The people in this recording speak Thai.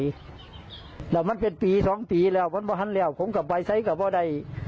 เดี๋ยวมันเป็นปี๒ทีแล็วปังมาฮั่งแล้วผมก็ไปใสนะเป็นมาได้